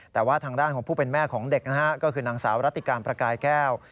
แต่ว่าทางด้านของผู้เป็นแม่ของเด็กนะฮะก็คือนางสาวรัติการประกายแก้ว